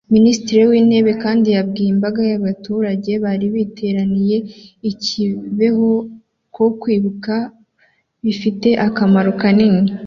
Minisitiri w’Intebe kandi yabwiye imbaga y’abaturage bari bateraniye i Kibeho ko kwibuka bifite akamaro kanini